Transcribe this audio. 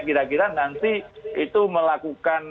kira kira nanti itu melakukan